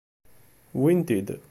Wwin-t-id.